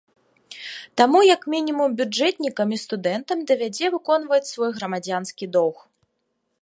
Таму як мінімум бюджэтнікам і студэнтам давядзе выконваць свой грамадзянскі доўг.